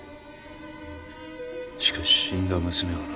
しかし死んだ娘はな。